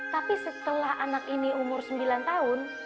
tapi setelah anak ini umur sembilan tahun